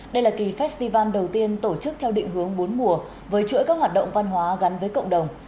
đây là kỳ festival đầu tiên tổ chức theo định hướng bốn mùa với chuỗi các hoạt động văn hóa gắn với cộng đồng